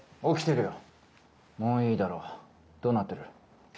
起きてるよもういいだろうどうなってる？